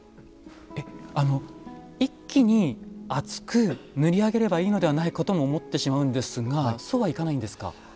えっ一気に厚く塗り上げればいいのではないかとも思ってしまうんですがそうはいかないんですか？